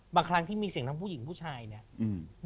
บางครั้งที่มีเสียงทางผู้หญิงผู้ชายเนี่ย